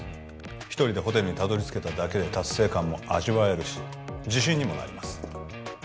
一人でホテルにたどりつけただけで達成感も味わえるし自信にもなります